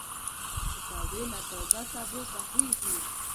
پکورې له تازه سبو پخېږي